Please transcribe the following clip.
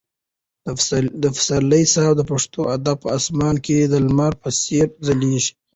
پسرلي صاحب د پښتو ادب په اسمان کې د لمر په څېر ځلېږي.